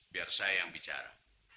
biar saya yang bicara